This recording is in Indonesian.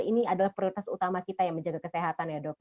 ini adalah prioritas utama kita yang menjaga kesehatan ya dok